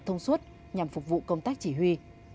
thông suốt nhằm phục vụ công tác chỉ huy